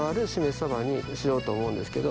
さばにしようと思うんですけど。